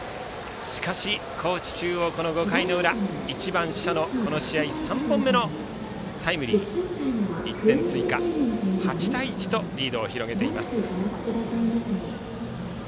しかし高知中央、この５回の裏１番、謝のこの試合３本目のタイムリーで１点追加、８対１とリードを広げています。